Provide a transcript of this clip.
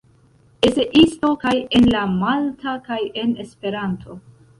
Eseisto kaj en la malta kaj en Esperanto.